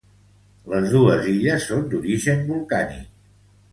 Les dos illes són d'origen volcànic.